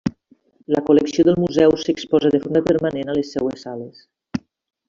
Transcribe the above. La col·lecció del museu s'exposa de forma permanent a les seues sales.